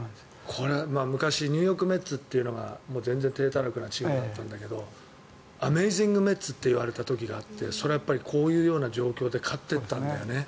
昔ニューヨーク・メッツというのが全然体たらくなチームだったんだけどアメージング・メッツって言われた時があってそれは、こういう状況で勝っていったんだよね。